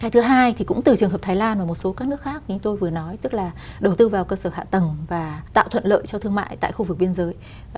thứ hai thì cũng từ trường hợp thái lan và một số các nước khác như tôi vừa nói tức là đầu tư vào cơ sở hạ tầng và tạo thuận lợi cho thương mại tại khu vực biên giới